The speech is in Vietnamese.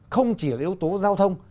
không chỉ là yếu tố giao thông